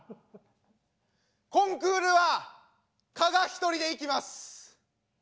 コンクールは加賀一人で行きます。